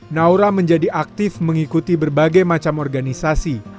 naura menjadi aktif mengikuti berbagai macam organisasi